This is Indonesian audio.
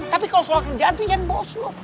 tapi kalo soal kerjaan tuh iyan bos lu